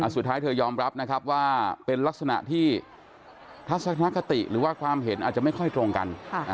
สุดท้ายเธอยอมรับนะครับว่าเป็นลักษณะที่ทัศนคติหรือว่าความเห็นอาจจะไม่ค่อยตรงกัน